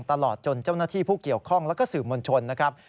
ตลอดจนเจ้าหน้าที่ผู้เกี่ยวข้องแล้วก็สื่อมวลชนนะครับ